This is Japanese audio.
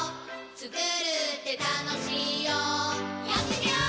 つくるってたのしいよやってみよー！